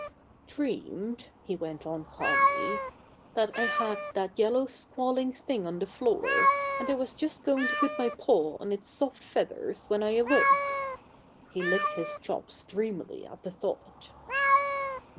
"Dreamed" he went on calmly "that I had that yellow squalling thing on the floor, and I was just going to put my paw on its soft feathers when I awoke." He licked his chops dreamily at the thought.